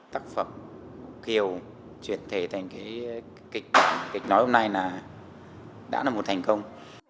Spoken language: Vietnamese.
tác phẩm kiều chuyển thể thành cái kịch nói hôm nay là đã là một thành công